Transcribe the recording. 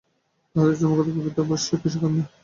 তাহাদের জন্মগত প্রবৃত্তি অবশ্য কৃষিকর্মে।